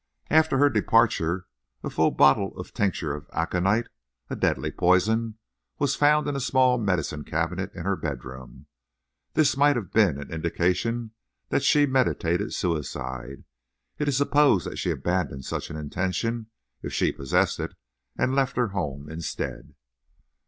After her departure a full bottle of tincture of aconite, a deadly poison, was found in a small medicine cabinet in her bedroom. This might have been an indication that she meditated suicide. It is supposed that she abandoned such an intention if she possessed it, and left her home instead."